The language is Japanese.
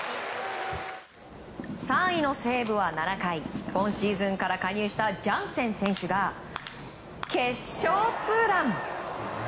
３位の西武は７回今シーズンから加入したジャンセン選手が決勝ツーラン！